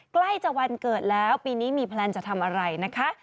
ใกล้จะวันเกิดแล้วปีนี้มีแพลนจะทำอะไรนะคะ